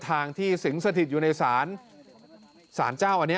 ทางที่สิงสถิตอยู่ในศาลศาลเจ้าอันนี้